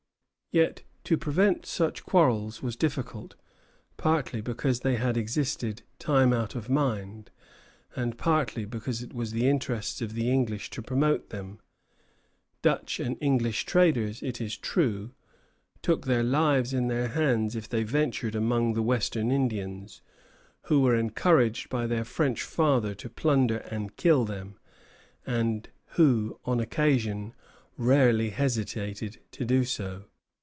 Yet to prevent such quarrels was difficult, partly because they had existed time out of mind, and partly because it was the interest of the English to promote them. Dutch and English traders, it is true, took their lives in their hands if they ventured among the western Indians, who were encouraged by their French father to plunder and kill them, and who on occasion rarely hesitated to do so.